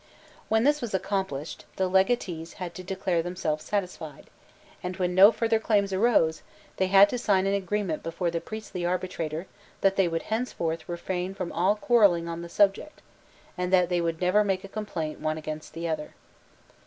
When this was accomplished, the legatees had to declare themselves satisfied; and when no further claims arose, they had to sign an engagement before the priestly arbitrator that they would henceforth refrain from all quarrelling on the subject, and that they would never make a complaint one against the other.